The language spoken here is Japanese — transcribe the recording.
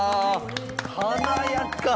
華やか！